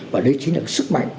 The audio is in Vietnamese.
và đấy chính là sức mạnh